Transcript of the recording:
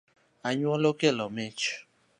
Anyuola okelo mich